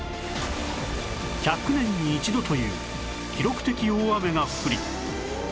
１００年に１度という記録的大雨が降り